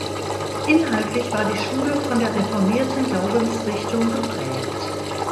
Inhaltlich war die Schule von der reformierten Glaubensrichtung geprägt.